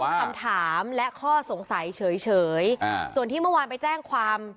คำถามและข้อสงสัยเฉยอ่าส่วนที่เมื่อวานไปแจ้งความ